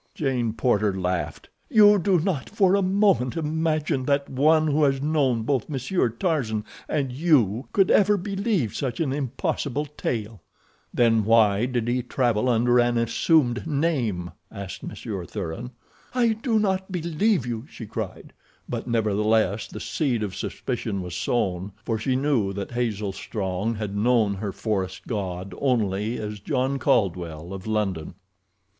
Jane Porter laughed. "You do not for a moment imagine that one who has known both Monsieur Tarzan and you could ever believe such an impossible tale?" "Then why did he travel under an assumed name?" asked Monsieur Thuran. "I do not believe you," she cried, but nevertheless the seed of suspicion was sown, for she knew that Hazel Strong had known her forest god only as John Caldwell, of London.